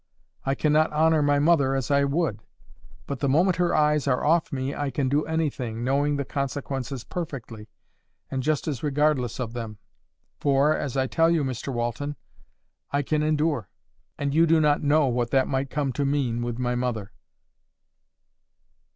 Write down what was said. I cannot honour my mother as I would. But the moment her eyes are off me, I can do anything, knowing the consequences perfectly, and just as regardless of them; for, as I tell you, Mr Walton, I can endure; and you do not know what that might COME to mean with my mother.